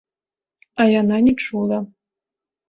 А яна не чула.